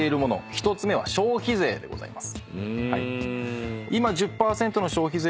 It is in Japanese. １つ目は消費税でございます。